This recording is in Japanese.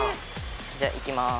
じゃあいきます！